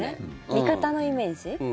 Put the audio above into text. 味方のイメージ？